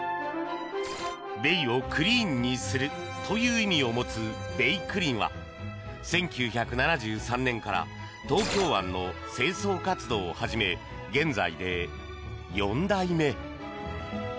ベイをクリーンにするという意味を持つ「べいくりん」は１９７３年から東京湾の清掃活動を始め現在で４代目。